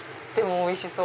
おいしそう！